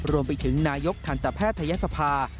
รวมไปถึงนายกทันตแพทยศภา